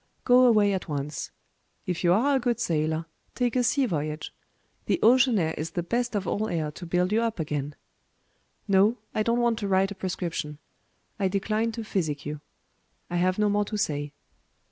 Go away at once. If you are a good sailor, take a sea voyage. The ocean air is the best of all air to build you up again. No: I don't want to write a prescription. I decline to physic you. I have no more to say."